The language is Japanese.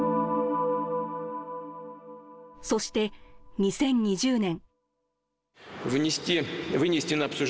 そして２０２０年。